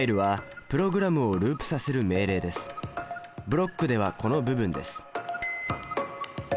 ブロックではこの部分です。